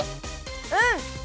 うん！